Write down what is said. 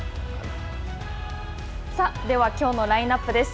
ではきょうのラインナップです。